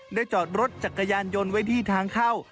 จอดรถจักรยานยนต์ไว้ที่ทางเข้า